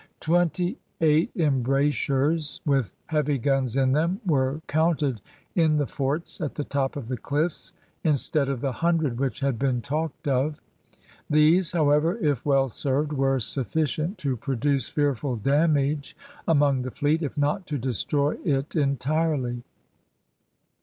Twenty eight embrasures, with heavy guns in them, were counted in the forts at the top of the cliffs, instead of the hundred which had been talked of. These, however, if well served, were sufficient to produce fearful damage among the fleet, if not to destroy it entirely.